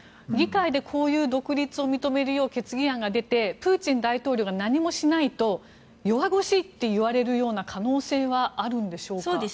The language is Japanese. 議会でこういう独立を認めるよう決議案が出てプーチン大統領が何もしないと弱腰って言われるような可能性はあるんでしょうか。